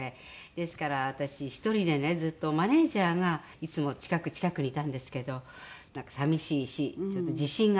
ですから私１人でねずっとマネジャーがいつも近く近くにいたんですけどなんか寂しいし地震が